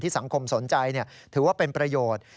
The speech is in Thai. สังคมสนใจถือว่าเป็นประโยชน์